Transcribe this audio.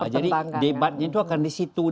jadi debatnya itu akan di situ